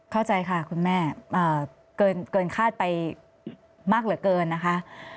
เข้าใจค่ะคุณแม่เกินคาดไปมากเหลือเกินนะคะ